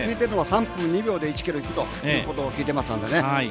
３分２秒で１ｋｍいくと聞いていますので。